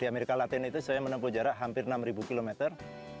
di amerika latin itu saya menempuh jarak hampir enam kilometer